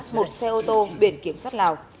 một xe ô tô biển kiểm soát lào